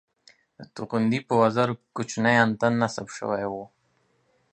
د توغندي په وزرو کې کوچنی انتن نصب شوی وو